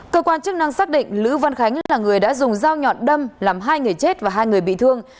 cơ quan chức năng xác định lữ văn khánh là người đã dùng dao nhọn đâm làm hai người chết và hai người bị thương